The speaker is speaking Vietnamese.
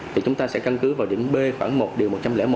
thì chúng ta sẽ căn cứ vào điểm b khoảng một điều một trăm linh một